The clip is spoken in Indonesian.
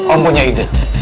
om punya ide